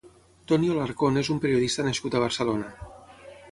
Tonio Alarcón és un periodista nascut a Barcelona.